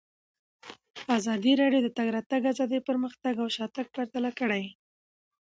ازادي راډیو د د تګ راتګ ازادي پرمختګ او شاتګ پرتله کړی.